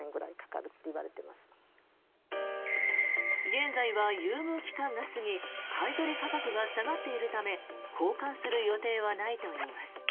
現在は優遇期間が過ぎ買い取り価格が下がっているため交換する予定はないといいます。